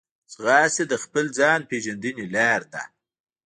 ځغاسته د خپل ځان پېژندنې لار ده